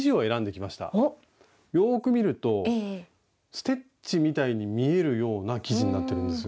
よく見るとステッチみたいに見えるような生地になってるんですよ。